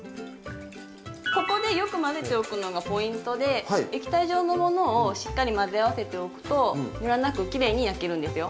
ここでよく混ぜておくのがポイントで液体状のものをしっかり混ぜ合わせておくとむらなくきれいに焼けるんですよ。